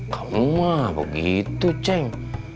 kamu mah begitu ceng